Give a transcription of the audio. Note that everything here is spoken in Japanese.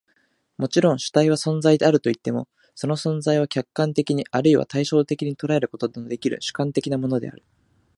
もちろん、主体は存在であるといっても、その存在は客観的に或いは対象的に捉えることのできぬ主観的なものである。